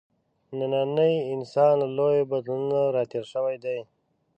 نننی انسان له لویو بدلونونو راتېر شوی دی.